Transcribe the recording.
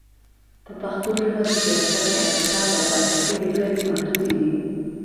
په پښتو ژبه د سیاست، اقتصاد، او فلسفې لیکنې محدودې دي.